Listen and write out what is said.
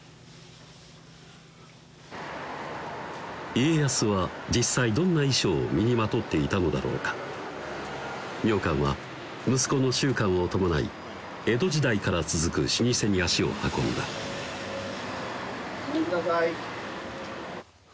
家康は実際どんな衣装を身にまとっていたのだろうか明観は息子の宗観を伴い江戸時代から続く老舗に足を運んだごめんください